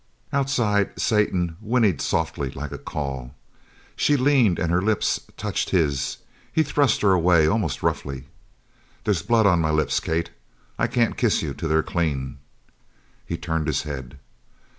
Outside, Satan whinnied softly like a call. She leaned and her lips touched his. He thrust her away almost roughly. "They's blood on my lips, Kate! I can't kiss you till they're clean." He turned his head.